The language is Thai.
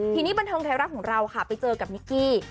ทีนี้บันเทิงไทยรัฐของเราค่ะไปเจอกับนิกกี้